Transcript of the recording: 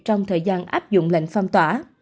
trong thời gian áp dụng lệnh phong tỏa